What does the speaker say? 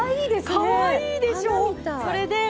かわいいですね！